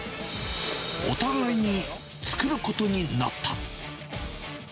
お互いに作ることになった。